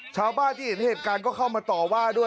ชาวบ้านที่เห็นเหตุการณ์ก็เข้ามาต่อว่าด้วย